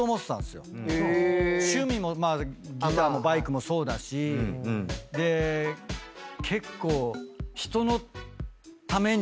趣味もギターもバイクもそうだしで結構。